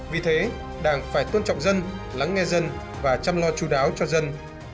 vì thế đảng phải tôn trọng dân lắng nghe dân và chăm lo chú đáo cho dân